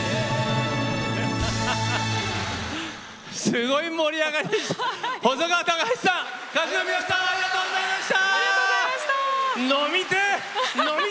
すごい盛り上がり！